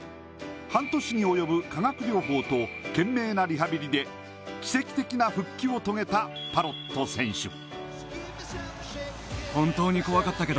半年に及ぶ化学療法と懸命なリハビリで奇跡的な復帰を遂げたパロット選手。